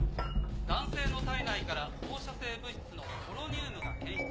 男性の体内から放射性物質のポロニウムが検出されました。